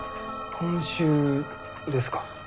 今週ですか？